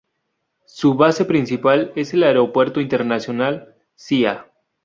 Su base principal es el aeropuerto Internacional Zia.